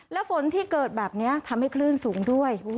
แล้วฝนที่เกิดแบบนี้ทำให้คลื่นสูงด้วย